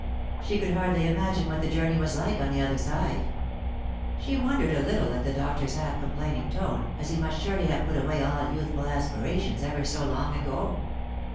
She could hardly imagine what the journey was like on the other side. She wondered a little at the doctor's half complaining tone, as he must surely have put away all youthful aspirations ever so long ago.